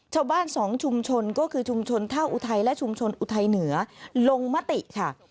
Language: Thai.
ชาวบ้านสองชุมชนก็คือชุมชนท่าอุทัยและชุมชนอุทัยเหนือลงมติค่ะ